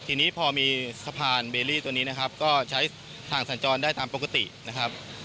ทีนี้พอมีสะพานเบลลี่ตัวนี้นะครับก็ใช้ทางสัญจรได้ตามปกตินะครับ